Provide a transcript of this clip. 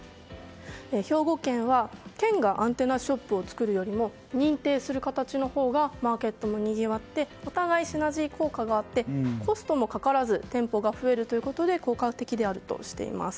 兵庫県は県がアンテナショップを作るよりも認定する形のほうがマーケットもにぎわってお互い、シナジー効果があってコストもかからず店舗も増えるということで効果的であるとしています。